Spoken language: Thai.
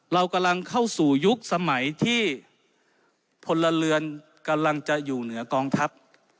เรากำลังเข้าสู่ยุคสมัยที่พลเรือนกำลังจะอยู่เหนือกองทัพ